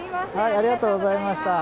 ありがとうございます。